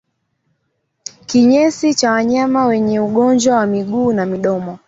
Kinyesi cha wanyama wenye ugonjwa wa miguu na midomo